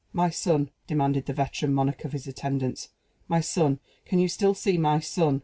"My son," demanded the veteran monarch of his attendants; "my son! can you still see my son?"